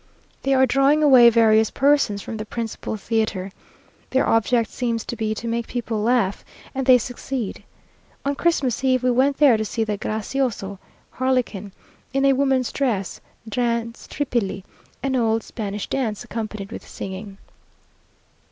They are drawing away various persons from the principal theatre. Their object seems to be to make people laugh, and they succeed. On Christmas eve we went there to see the gracioso (harlequin) in a woman's dress, dance Tripili, an old Spanish dance, accompanied with singing.